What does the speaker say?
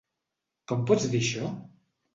Com pots dir això?